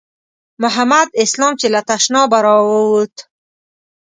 محمد اسلام چې له تشنابه راووت.